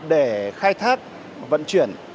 để khai thác vận chuyển